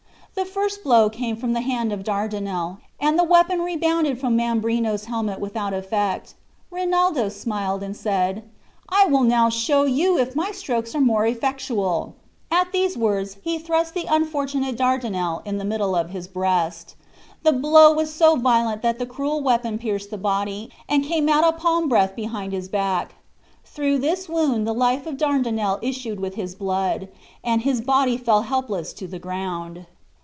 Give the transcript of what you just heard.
The first blow came from the hand of Dardinel, and the weapon rebounded from Mambrino's helmet without effect. Rinaldo smiled, and said, "I will now show you if my strokes are more effectual." At these words he thrust the unfortunate Dardinel in the middle of his breast. The blow was so violent that the cruel weapon pierced the body, and came out a palm breadth behind his back. Through this wound the life of Dardinel issued with his blood, and his body fell helpless to the ground.